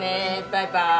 バイバーイ。